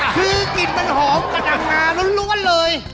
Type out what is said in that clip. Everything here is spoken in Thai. คือกลิ่นมันหอมกระดักมาล้วนเลย